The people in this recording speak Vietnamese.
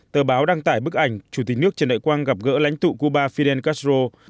tờ báo đăng tải bức ảnh chủ tịch nước trần đại quang gặp gỡ lãnh tụ cuba fidel castro